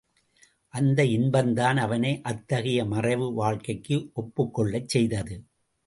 அந்த இன்பம்தான் அவனை அத்தகைய மறைவு வாழ்க்கைக்கு ஒப்புக் கொள்ளச் செய்தது.